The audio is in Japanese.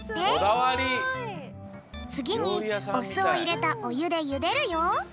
つぎにおすをいれたおゆでゆでるよ。